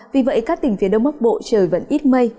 vì vậy các tỉnh phía đông bắc bộ trời vẫn ít mây